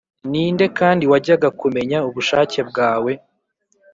Ni nde kandi wajyaga kumenya ubushake bwawe,